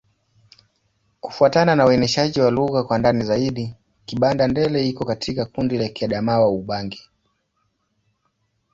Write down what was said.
Kufuatana na uainishaji wa lugha kwa ndani zaidi, Kibanda-Ndele iko katika kundi la Kiadamawa-Ubangi.